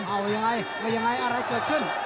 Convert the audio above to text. เปิหายังไงอะไรเกิดขึ้น